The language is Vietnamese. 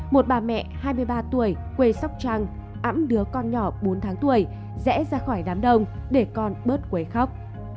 một bà mẹ hai mươi ba tuổi quê sóc trăng ắm đứa con nhỏ bốn tháng tuổi rẽ ra khỏi đám đông để con bớt quấy khóc